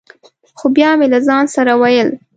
خو بیا مې له ځان سره ویل: